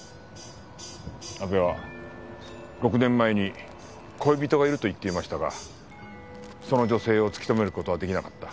阿部は６年前に恋人がいると言っていましたがその女性を突き止める事は出来なかった。